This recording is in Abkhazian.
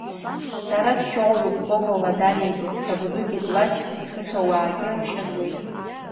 Сара сшьоуҩуп, Вова Ладариагьы, сабду Гьедлачгьы, сқыҭауаагьы ршьа зуеит.